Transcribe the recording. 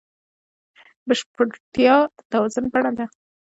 بشپړتیا د توازن بڼه ده.